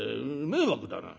迷惑だな。